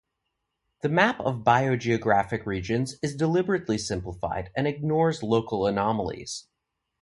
The map of biogeographic regions is deliberately simplified and ignores local anomalies.